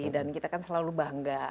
dan kita kan selalu bangga